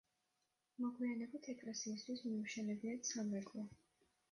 მოგვიანებით ეკლესიისთვის მიუშენებიათ სამრეკლო.